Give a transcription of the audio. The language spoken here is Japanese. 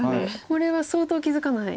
これは相当気付かない。